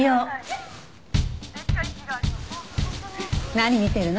何見てるの？